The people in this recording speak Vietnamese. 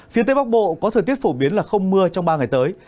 phía tây bắc bộ có thời tiết phổ biến là không mưa trong ba ngày tới